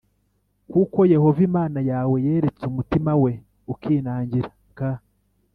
kuko Yehova Imana yawe yaretse umutima we ukinangira k